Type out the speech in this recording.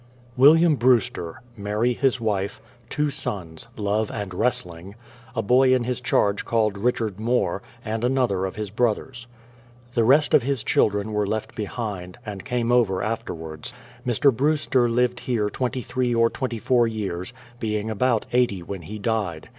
WILLIAM BREWSTER; Mary, his wife; two sons, Love and Wrestling; a boy in his charge called Richard More, and another of his brothers. The rest of his children were left behind, and came over afterwards. Mr. Brewster lived here 23 or 24 years, being about 80 when he died.